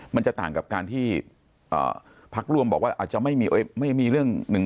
มันจะต่างกับการที่พักร่วมบอกว่าอาจจะไม่มีเรื่อง๑๒